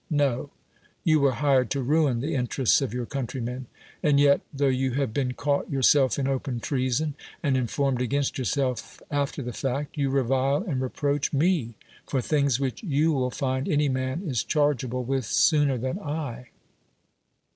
Xo ! You were hired to ruin the interests cf your countrymen; and yet, tho you have been caught yourself in open treason, and informed against yourself after the fact, you revile and reproach me for things which you will find any man is chargeable with sooner than I.